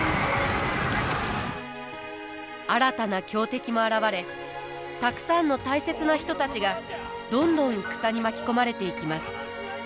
新たな強敵も現れたくさんの大切な人たちがどんどん戦に巻き込まれていきます。